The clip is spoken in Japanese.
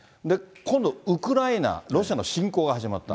今度ウクライナ、ロシアの侵攻が始まった。